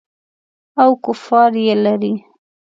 او کفار یې لري.